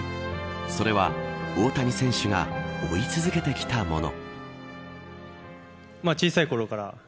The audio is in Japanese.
それは、大谷選手が追い続けてきたもの。